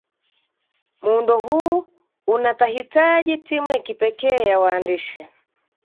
muundo huu unatahitaji timu ya kipekee ya waandishi